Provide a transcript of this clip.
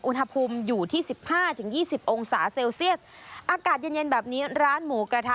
อุณหภูมิอยู่ที่๑๕๒๐องศาเซลเซียสอากาศเย็นแบบนี้ร้านหมูกระทะ